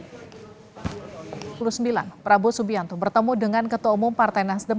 hai sedangkan saya jadi perjuang dua puluh sembilan prabowo subianto bertemu dengan ketua umum partai nasdem